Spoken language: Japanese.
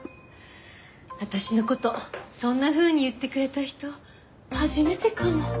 私の事そんなふうに言ってくれた人初めてかも。